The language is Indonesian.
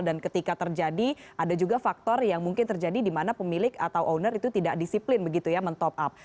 dan ketika terjadi ada juga faktor yang mungkin terjadi di mana pemilik atau owner itu tidak disiplin begitu ya men top up